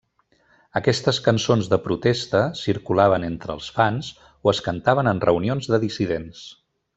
Aquestes cançons de protesta circulaven entre els fans o es cantaven en reunions de dissidents.